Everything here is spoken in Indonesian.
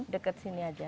dekat sini saja